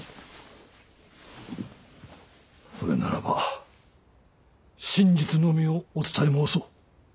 それならば真実のみをお伝え申そう。